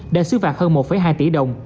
đã xứ phạt hơn một hai tỷ đồng